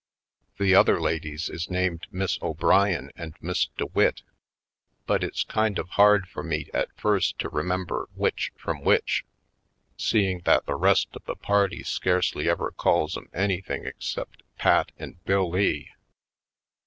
The other ladies is named Miss O'Brien and Miss DeWitt but it's kind of hard for me at first to remember which from which seeing that the rest of the party scarcely ever calls 'em anything except Pat and Bill Lee.